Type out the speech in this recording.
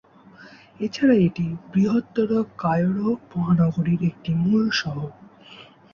এছাড়া এটি বৃহত্তর কায়রো মহানগরীর একটি মূল শহর।